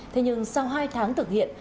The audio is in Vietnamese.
thế nhưng sau hai tháng thực hiện